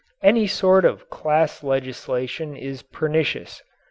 Any sort of class legislation is pernicious.